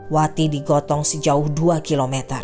wati digotong sejauh dua km